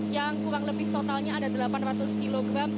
yang kurang lebih totalnya ada delapan ratus kilogram